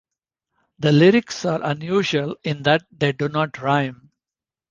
The lyrics are unusual in that they do not rhyme.